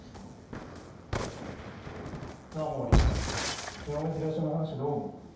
毛利昨日の秀吉の話どう思う？